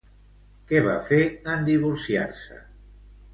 Què va fer en divorciar-se?